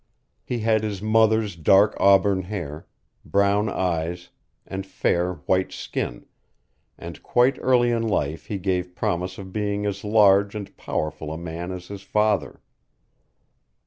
He had his mother's dark auburn hair, brown eyes, and fair white skin, and quite early in life he gave promise of being as large and powerful a man as his father.